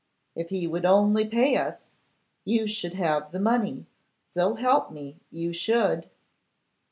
If he would only pay us, you should have the money; so help me, you should.